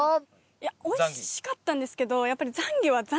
いやおいしかったんですけど